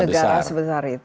untuk negara sebesar itu